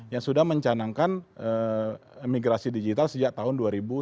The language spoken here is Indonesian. yang sudah mencanangkan migrasi digital sejak tahun dua ribu sepuluh dua ribu sebelas